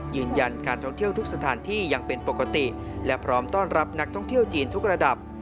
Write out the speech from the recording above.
ยืนยันการท่องเที่ยวทุกสถานที่ยังเป็นปกติและพร้อมต้อนรับนักท่องเที่ยวจีนทุกระดับ